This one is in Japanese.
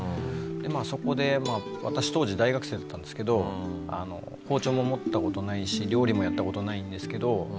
そこで私当時大学生だったんですけど包丁も持った事ないし料理もやった事ないんですけど。